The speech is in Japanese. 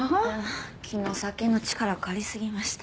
昨日酒の力を借りすぎました。